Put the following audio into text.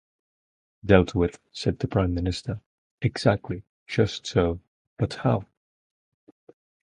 "Dealt with," said the Prime Minister; "exactly, just so; but how?"